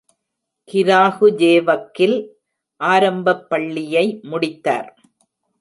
கிராகுஜேவக்கில் ஆரம்பப் பள்ளியை முடித்தார்.